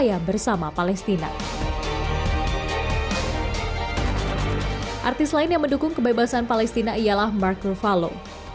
artis lain yang mendukung kebebasan palestina ialah mark ruffalo